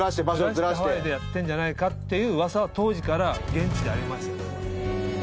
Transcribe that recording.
ずらしてハワイでやってんじゃないかっていう噂は当時から現地でありました。